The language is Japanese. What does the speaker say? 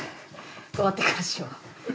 終わってからしよう。